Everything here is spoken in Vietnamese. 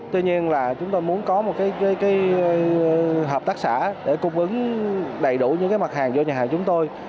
tuy nhiên là chúng tôi muốn có một hợp tác xã để cung ứng đầy đủ những mặt hàng cho nhà hàng chúng tôi